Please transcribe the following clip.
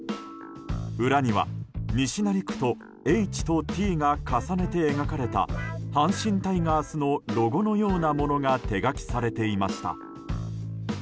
裏には「西成区」と「Ｈ」と「Ｔ」が重ねて描かれた阪神タイガースのロゴのようなものが手書きされていました。